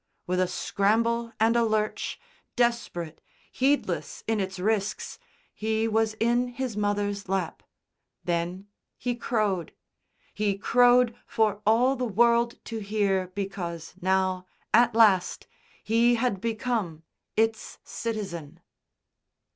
With a scramble and a lurch, desperate, heedless in its risks, he was in his mother's lap. Then he crowed. He crowed for all the world to hear because now, at last, he had become its citizen.